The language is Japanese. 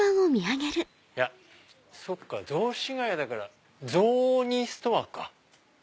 いやそっか雑司が谷だからゾウニストアーか？